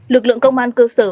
lực lượng công an cơ sở